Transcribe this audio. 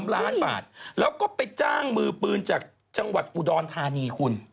๓ล้านบาทแล้วก็ไปจ้างมือปืนจากจังหวัดอุดรธานีคุณ